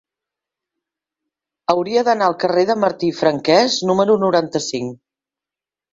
Hauria d'anar al carrer de Martí i Franquès número noranta-cinc.